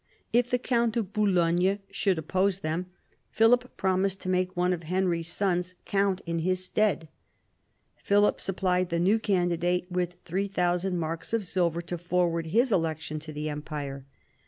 If the count of Boulogne should oppose them, Philip promised to make one of Henry's sons count in his stead. Philip supplied the new candidate with 3000 marks of silver to forward his election to the Empire.